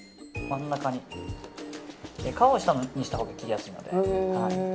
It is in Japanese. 皮を下にしたほうが切りやすいので。